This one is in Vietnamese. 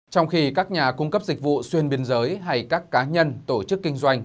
trong khi các nhà cung cấp dịch vụ xuyên biên giới hay các cá nhân tổ chức kinh doanh